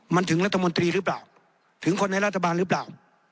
มันถึงรัฐมนตรีหรือเปล่าถึงคนในรัฐบาลหรือเปล่า